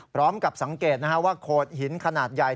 พร้อมกับสังเกตว่าโขดหินขนาดใหญ่